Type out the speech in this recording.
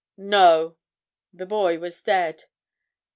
"No—the boy was dead."